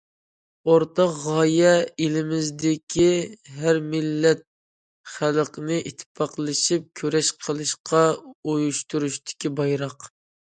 ئورتاق غايە ئېلىمىزدىكى ھەر مىللەت خەلقىنى ئىتتىپاقلىشىپ كۈرەش قىلىشقا ئۇيۇشتۇرۇشتىكى بايراق.